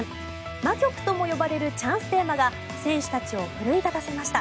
魔曲とも呼ばれるチャンステーマが選手たちを奮い立たせました。